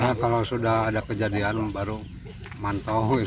karena kalau sudah ada kejadian baru manto